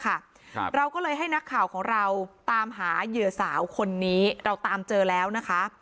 ครับเราก็เลยให้นักข่าวของเราตามหาเหยื่อสาวคนนี้เราตามเจอแล้วนะคะ